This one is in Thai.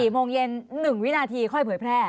๔โมงเย็น๑วินาทีค่อยเผยแพร่